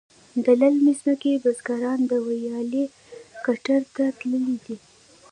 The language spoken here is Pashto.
د للمې ځمکې بزگران د ویالې کټیر ته تللي دي.